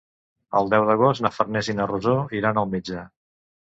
El deu d'agost na Farners i na Rosó iran al metge.